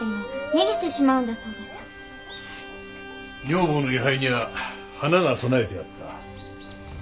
女房の位牌には花が供えてあった。